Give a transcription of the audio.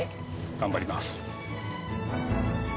頑張ります。